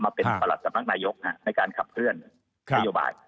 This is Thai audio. มันเป็นปลัติกับนักนายกในการเขินไปโยบาย